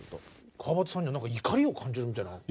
川畑さんには怒りを感じるみたいな。